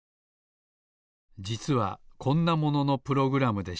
じつはこんなもののプログラムでした。